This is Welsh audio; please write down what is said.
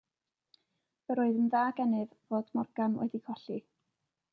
Yr oedd yn dda gennyf fod Morgan wedi colli.